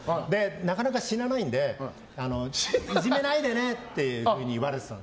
なかなか死なないのでいじめないでねって言われてたの。